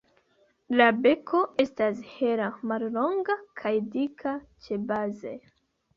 La beko estas hela, mallonga kaj dika ĉebaze.